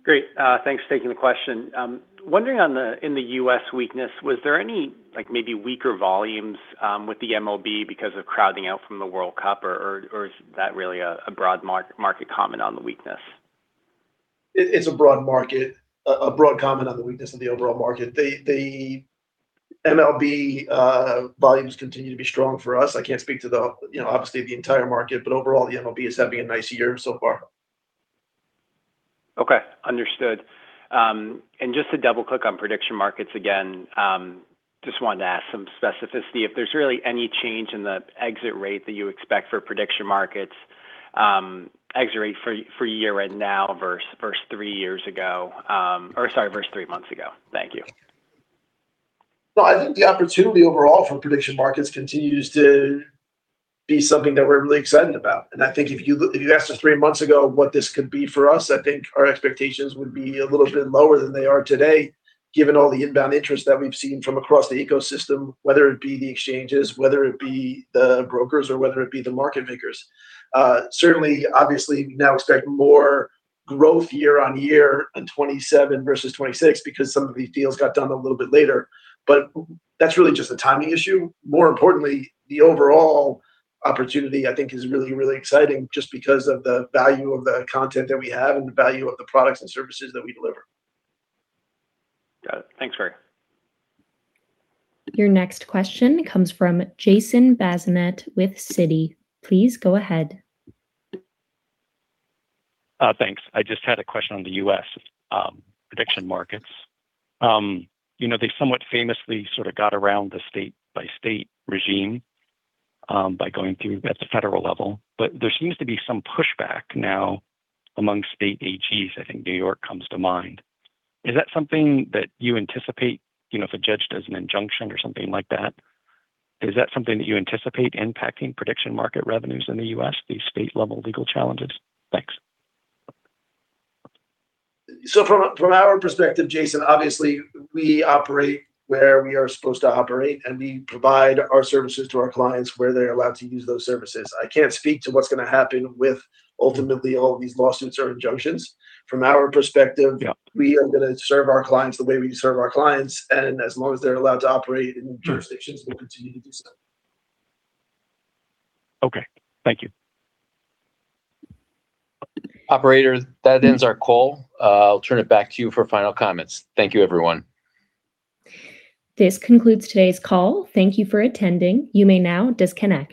Great. Thanks for taking the question. Wondering in the U.S. weakness, was there any maybe weaker volumes with the MLB because of crowding out from the World Cup, or is that really a broad market comment on the weakness? It's a broad comment on the weakness of the overall market. The MLB volumes continue to be strong for us. I can't speak to, obviously, the entire market, but overall, the MLB is having a nice year so far. Okay. Understood. Just to double-click on prediction markets again, just wanted to ask some specificity if there's really any change in the exit rate that you expect for prediction markets, exit rate for year-end now versus three years ago, or, sorry, versus three months ago. Thank you. Well, I think the opportunity overall for prediction markets continues to be something that we're really excited about. I think if you'd asked us three months ago what this could be for us, I think our expectations would be a little bit lower than they are today, given all the inbound interest that we've seen from across the ecosystem, whether it be the exchanges, whether it be the brokers, or whether it be the market makers. Certainly, obviously, we now expect more growth year on year in 2027 versus 2026 because some of these deals got done a little bit later. That's really just a timing issue. More importantly, the overall opportunity, I think, is really, really exciting just because of the value of the content that we have and the value of the products and services that we deliver. Got it. Thanks, Craig. Your next question comes from Jason Bazinet with Citi. Please go ahead. Thanks. I just had a question on the U.S. prediction markets. They somewhat famously sort of got around the state-by-state regime by going through at the federal level. There seems to be some pushback now among state AGs. I think New York comes to mind. Is that something that you anticipate, if a judge does an injunction or something like that, is that something that you anticipate impacting prediction market revenues in the U.S., these state-level legal challenges? Thanks. From our perspective, Jason, obviously, we operate where we are supposed to operate, and we provide our services to our clients where they're allowed to use those services. I can't speak to what's going to happen with, ultimately, all of these lawsuits or injunctions. Yeah. We are going to serve our clients the way we serve our clients, and as long as they're allowed to operate in jurisdictions, we'll continue to do so. Okay. Thank you. Operator, that ends our call. I'll turn it back to you for final comments. Thank you, everyone. This concludes today's call. Thank you for attending. You may now disconnect.